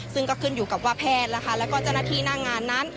ซึ่งก็ขึ้นอยู่กับว่าแพทย์นะคะแล้วก็เจ้าหน้าที่หน้างานนั้น